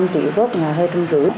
năm triệu góp là hơi trung dữ